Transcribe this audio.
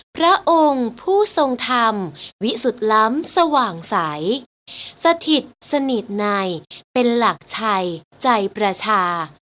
พระองค์ผู้ทรงธรรมวิสุทธิ์ล้ำสว่างใสสถิตสนิทในเป็นหลักชัยใจประชา